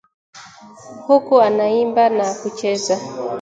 Huku anaimba na kucheza